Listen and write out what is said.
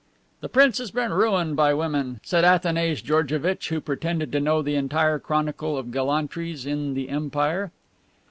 "The prince has been ruined by women," said Athanase Georgevitch, who pretended to know the entire chronicle of gallantries in the empire.